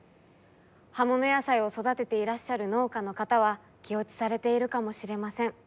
葉物野菜を育てていらっしゃる農家の方は気落ちされているかもしれません。